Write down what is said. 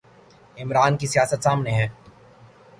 عمران کی سیاست سامنے ہے۔